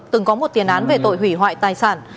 từng có một tiền án về tội hủy hoại tài sản